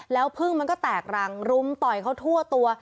แล้วพึ่งมันก็แตกรังรุมต่อยเขาทั่วตัว